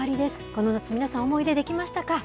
この夏、皆さん、思い出できましたか？